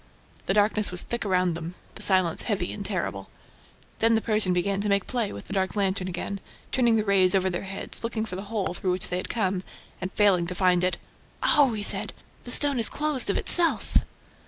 The darkness was thick around them, the silence heavy and terrible. Then the Persian began to make play with the dark lantern again, turning the rays over their heads, looking for the hole through which they had come, and failing to find it: "Oh!" he said. "The stone has closed of itself!"